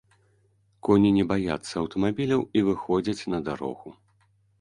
Коні не баяцца аўтамабіляў і выходзяць на дарогу.